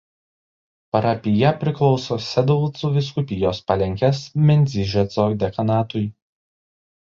Parapija priklauso Sedlcų vyskupijos Palenkės Mendzyžeco dekanatui.